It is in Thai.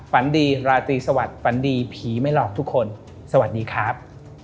ฝันดีราตรีสวัสดิฝันดีผีไม่หลอกทุกคนสวัสดีครับ